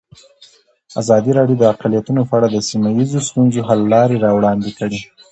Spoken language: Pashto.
ازادي راډیو د اقلیتونه په اړه د سیمه ییزو ستونزو حل لارې راوړاندې کړې.